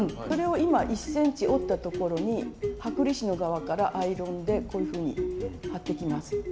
これを今１ｃｍ折ったところに剥離紙の側からアイロンでこういうふうに貼っていきます。